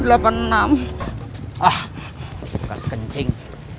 ah bekas kencing